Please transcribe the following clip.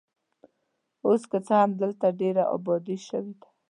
اوس که څه هم دلته ډېره ابادي شوې ده.